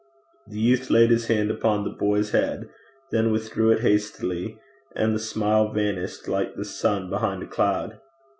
The youth laid his hand upon the boy's head, then withdrew it hastily, and the smile vanished like the sun behind a cloud.